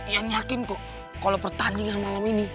yang yakin kok kalau pertandingan malam ini